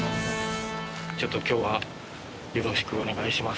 ちょっと今日はよろしくお願いします。